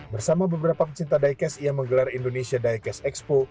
bersama beberapa pecinta diecast yang menggelar indonesia diecast expo